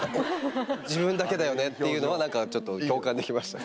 自分だけだよねっていうのは何かちょっと共感できました。